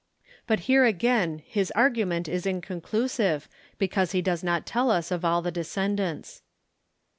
But here again his argument is inconclusive because he does not tell us of all the descendants.